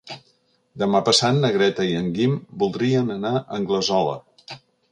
Demà passat na Greta i en Guim voldrien anar a Anglesola.